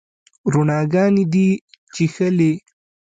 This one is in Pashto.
روڼاګاني دي چیښلې